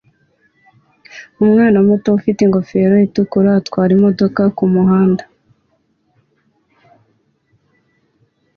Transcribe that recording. Umwana muto ufite ingofero itukura atwara imodoka kumuhanda